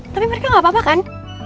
tapi mereka gak apa apa kan